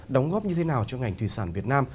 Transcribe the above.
đóng góp như thế nào cho ngành thủy sản việt nam